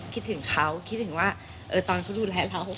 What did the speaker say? คิดถึงเขาคิดถึงว่าตอนเขาดูแลเรา